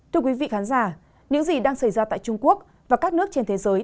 thưa quý vị khán giả những gì đang xảy ra tại trung quốc và các nước trên thế giới